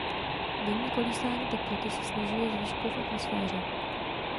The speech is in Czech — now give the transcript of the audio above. Denní kolísání teploty se snižuje s výškou v atmosféře.